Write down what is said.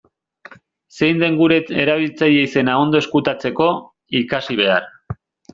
Zein den gure erabiltzaile-izena ondo ezkutatzeko, ikasi behar.